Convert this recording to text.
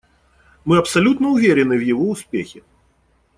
Мы абсолютно уверены в его успехе.